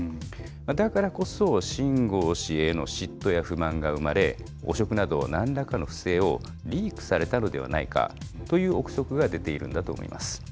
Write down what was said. だからこそ、秦剛氏への嫉妬や不満が生まれ、汚職など何らかの不正をリークされたのではないかという臆測が出ているんだと思います。